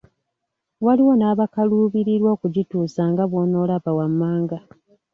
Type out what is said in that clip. Waliwo n’abakaluubirirwa okugituusa nga bw’onoolaba wammanga.